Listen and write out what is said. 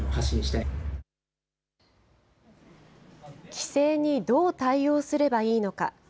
規制にどう対応すればいいのか。